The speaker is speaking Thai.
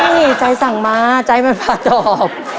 นี่ใจสั่งมาใจมันผ่าตอบ